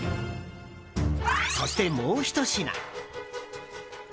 そして、もうひと品。